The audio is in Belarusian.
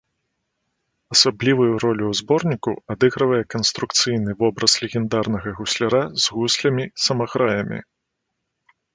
Асаблівую ролю ў зборніку адыгрывае канструкцыйны вобраз легендарнага гусляра з гуслямі-самаграямі.